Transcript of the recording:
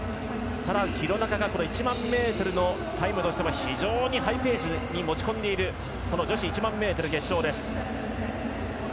ただ、廣中が１００００ｍのタイムとしては非常にハイペースに持ち込んでいる女子１００００ｍ決勝です。